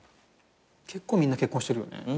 結構みんな結婚してるよね。